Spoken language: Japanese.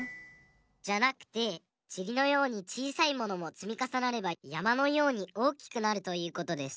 じゃなくてちりのようにちいさいものもつみかさなればやまのようにおおきくなるということです。